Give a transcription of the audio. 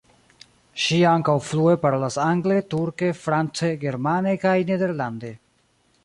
Ŝi ankaŭ flue parolas angle, turke, france, germane kaj nederlande.